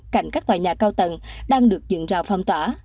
cạnh các tòa nhà cao tầng đang được dựng rào phong tỏa